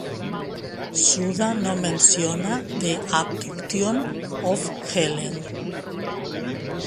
Suda no menciona "The Abduction of Helen".